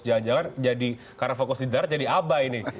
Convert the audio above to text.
jangan jangan jadi karena fokus di darat jadi abai ini